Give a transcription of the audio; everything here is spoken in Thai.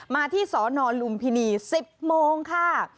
มาที่สนลุมพินี๑๐โมงค่ะ